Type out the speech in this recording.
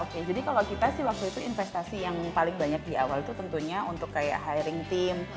oke jadi kalau kita sih waktu itu investasi yang paling banyak di awal itu tentunya untuk kayak hiring team